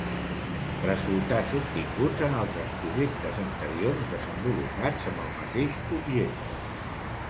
Resultats obtinguts en altres projectes anteriors desenvolupats amb el mateix objecte.